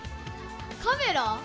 カメラ？